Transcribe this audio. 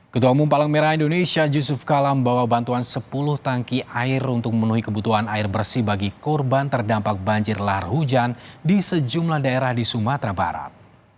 ketua umum palang merah indonesia yusuf kalam membawa bantuan sepuluh tangki air untuk memenuhi kebutuhan air bersih bagi korban terdampak banjir lahar hujan di sejumlah daerah di sumatera barat